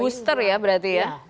booster ya berarti ya